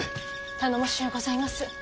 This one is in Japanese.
頼もしゅうございます。